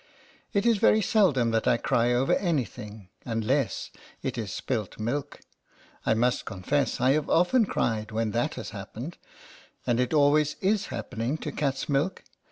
It is very seldom that I cry over any thing, unless it is "spilt milk." 32 LETTERS FROM A CAT. I must confess, I have often cried when that has happened : and it always is happening to cats' milk.